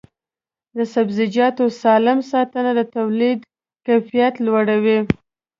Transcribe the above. د سبزیجاتو سالم ساتنه د تولید کیفیت لوړوي.